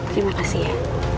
terima kasih ya